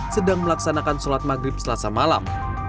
sedang melaksanakan sholat maghrib selasa malam